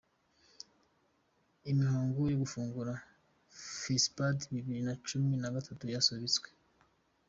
Imihango yo gufungura Fesipadi bibiri na cumi na gatatu yasubitswe